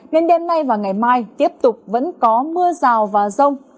nên đêm nay và ngày mai tiếp tục vẫn có mưa rào và rông